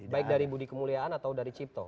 baik dari budi kemuliaan atau dari cipto